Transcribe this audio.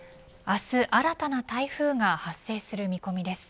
明日、新たな台風が発生する見込みです。